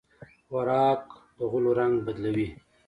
خوراک د غولو رنګ بدلوي.